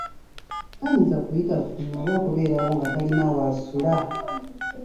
Tayinza kuyita bukunya oba okubeerawo nga talina w'asula.